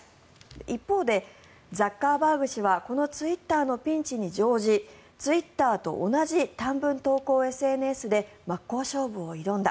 一方で、ザッカーバーグ氏はこのツイッターのピンチに乗じツイッターと同じ短文投稿ＳＮＳで真っ向勝負を挑んだ。